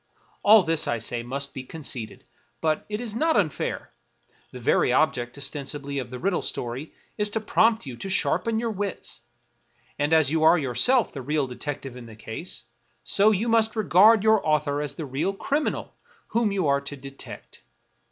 All this, I say, must be conceded ; but it is not unfair; the very object, ostensibly, of the riddle story is to prompt you to sharpen your wits ; and as you are yourself the real detective in the case, so you must regard your author as the real criminal whom you are to detect.